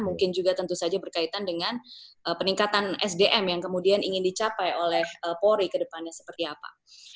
mungkin juga tentu saja berkaitan dengan peningkatan sdm yang kemudian ingin dicapai oleh polri kedepannya seperti apa